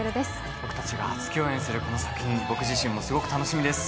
僕たちが初共演するこの作品、僕自身もとても楽しみです。